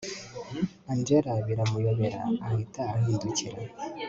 angella biramuyobera ahita ahindukira